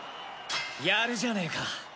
やるじゃねえか。